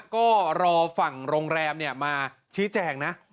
ก็รอฝั่งโรงแรมมาชี้แจงนะ